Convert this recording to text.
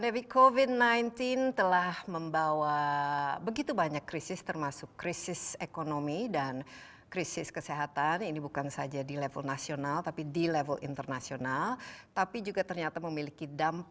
sampai jumpa di video selanjutnya